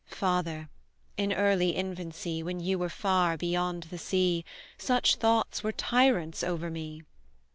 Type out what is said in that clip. "Father, in early infancy, When you were far beyond the sea, Such thoughts were tyrants over me!